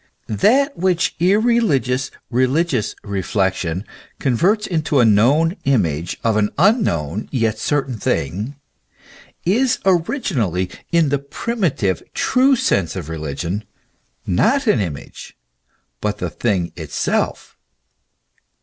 That which irreligious religious reflection converts into a known image of an unknown yet certain thing, is originally, in the primitive, true sense of religion, not an image, but the thing itself.